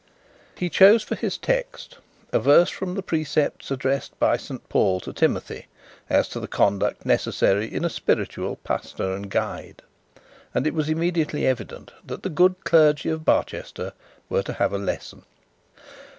He chose for his text a verse from the precept addressed by St Paul to Timothy, as to the conduct necessary in a spiritual pastor and guide, and it was immediately evident that the good clergy of Barchester were to have a lesson.